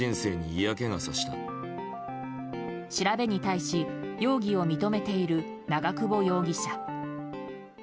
調べに対し容疑を認めている長久保容疑者。